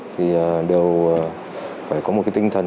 thì đều phải có một tinh thần